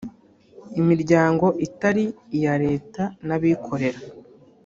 imiryango itari iya leta n’abikorera